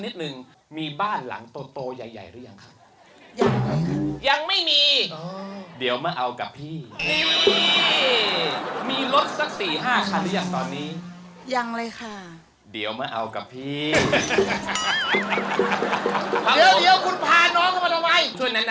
ชื่อนางสาวธนวัณศูตริริย์ค่ะอื้อ